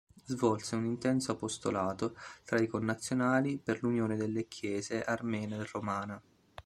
Svolse un intenso apostolato tra i connazionali per l'unione delle Chiese armena e romana.